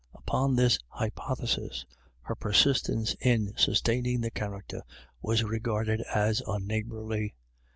Upon this hypothesis her persistence in sustaining the character was re garded as unneighbourly.